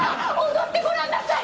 踊ってごらんなさい！